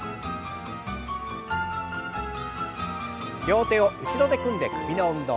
両手を後ろで組んで首の運動。